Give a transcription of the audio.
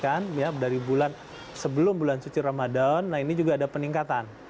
kita perhatikan ya dari bulan sebelum bulan suci ramadan nah ini juga ada peningkatan